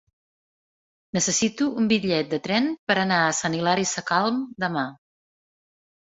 Necessito un bitllet de tren per anar a Sant Hilari Sacalm demà.